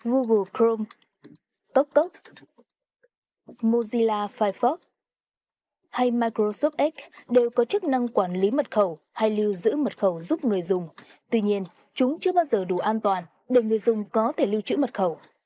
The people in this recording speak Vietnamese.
hai microsoft edge đều có chức năng quản lý mật khẩu hay lưu giữ mật khẩu giúp người dùng tuy nhiên chúng chưa bao giờ đủ an toàn để người dùng có thể lưu trữ mật khẩu